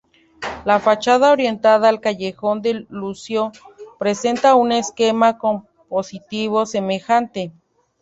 La fachada orientada al callejón del Lucio presenta un esquema compositivo semejante.